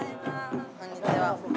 こんにちは。